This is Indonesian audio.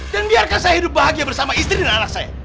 dan biarkan saya hidup bahagia bersama istri dan anak saya